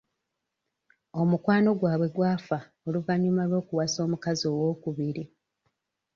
Omukwano gwabwe gwafa oluvannyuma lw'okuwasa omukazi owookubiri.